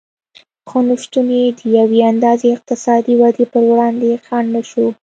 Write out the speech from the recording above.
خو نشتون یې د یوې اندازې اقتصادي ودې پر وړاندې خنډ نه شو